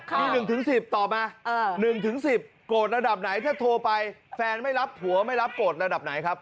โกรธระดับไหนถ้าโทรไปแฟนไม่รับหัวไม่รับโกรธระดับไหนครับ